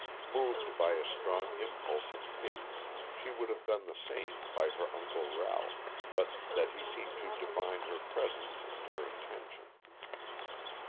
Moved by a strong impulse of pity, she would have done the same by her uncle Ralph, but that he seemed to divine her presence and her intention.